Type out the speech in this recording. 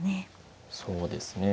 そうですね。